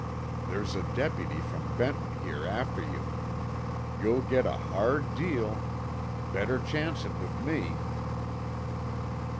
There's a deputy from Benton here after you. You'll get a hard deal. Better chance it with me."